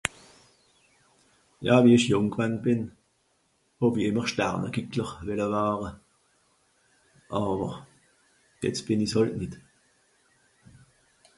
Ja wie ìch jùng gewann bìn, hàw-i ìmmer Starnegìggler wìlle ware, àwer, jetz bìn i's hàlt nìt.